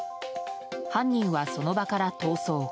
犯人はその場から逃走。